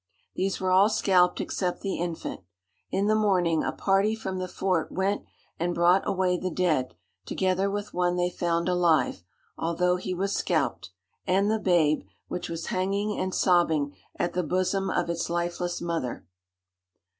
These were all scalped except the infant. In the morning, a party from the fort went and brought away the dead, together with one they found alive, although he was scalped, and the babe, which was hanging and sobbing at the bosom of its lifeless mother."